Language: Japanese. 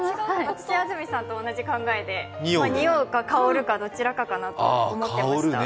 私は安住さんと同じ考えで、におうか香るかだと思ってました。